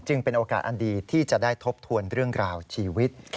เป็นโอกาสอันดีที่จะได้ทบทวนเรื่องราวชีวิต